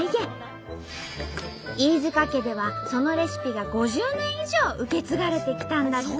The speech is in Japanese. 飯塚家ではそのレシピが５０年以上受け継がれてきたんだって。